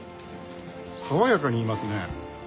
爽やかに言いますね。